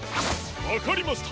わかりました！